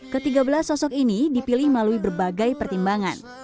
ketiga belas sosok ini dipilih melalui berbagai pertimbangan